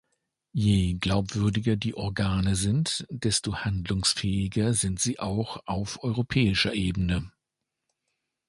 Je glaubwürdiger die Organe sind, desto handlungsfähiger sind sie auch auf europäischer Ebene.